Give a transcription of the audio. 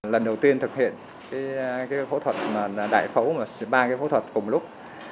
lần đầu tiên thực hiện phẫu thuật đài phẫu ba phẫu thuật cùng lúc